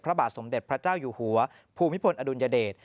พระบาทสมเด็จพระเจ้าอยู่หัวภูมิพลอดุลยเดช